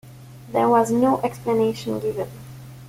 There was no explanation given.